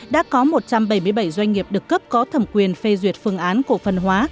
đã có một trăm bảy mươi bảy doanh nghiệp được cấp có thẩm quyền phê duyệt phương án cổ phần hóa